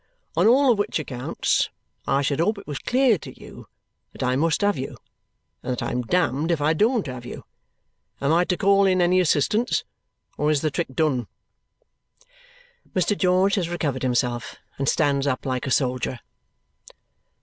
On all of which accounts, I should hope it was clear to you that I must have you, and that I'm damned if I don't have you. Am I to call in any assistance, or is the trick done?" Mr. George has recovered himself and stands up like a soldier.